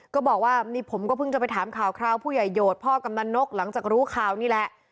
ก็บอกว่านี่ผมก็เพิ่งจะไปถามข่าวคราวผู้ใหญ่โหดพ่อกำนันนกหลังจากรู้ข่าวนี่แหละ